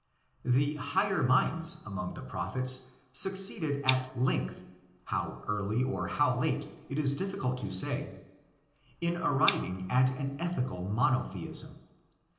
The higher minds among the prophets succeeded at length—how early or how late it is difficult to say —in arriving at an ethical monotheism.